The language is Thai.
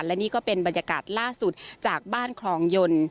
และนี่ก็เป็นบรรยากาศล่าสุดจากบ้านคลองยนต์